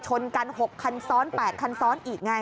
ชนกัน๖คันซ้อน๘คันซ้อนอีกไง